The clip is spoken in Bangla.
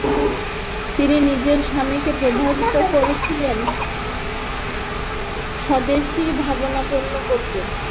তিনি নিজের স্বামীকে প্রভাবিত করেছিলেন স্বদেশীভাবাপন্ন করতে।